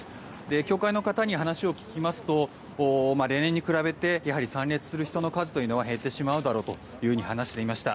教会の方に話を聞きますと例年に比べてやはり、参列する人の数は減ってしまうだろうと話していました。